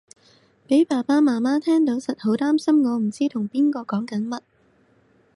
俾爸爸媽媽聽到實好擔心我唔知同邊個講緊乜